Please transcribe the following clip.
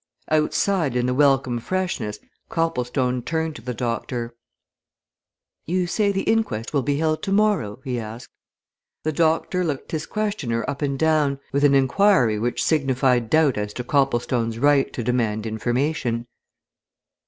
Outside in the welcome freshness, Copplestone turned to the doctor. "You say the inquest will be held tomorrow?" he asked. The doctor looked his questioner up and down with an inquiry which signified doubt as to Copplestone's right to demand information.